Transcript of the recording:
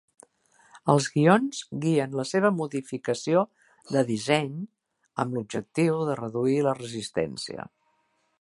Els guions guien la seva modificació de disseny, amb l'objectiu de reduir la resistència.